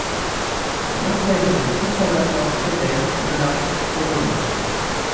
Il enseigne dans les conservatoires de Créteil, Melun, Courbevoie.